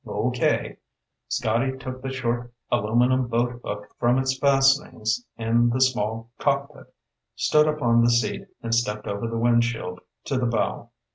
"Okay." Scotty took the short, aluminum boat hook from its fastenings in the small cockpit, stood up on the seat, and stepped over the windshield to the bow.